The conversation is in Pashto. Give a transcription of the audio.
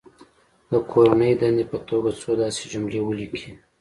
د کورنۍ دندې په توګه څو داسې جملې ولیکي.